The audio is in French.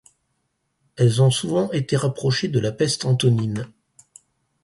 Elles ont souvent été rapprochées de la peste antonine.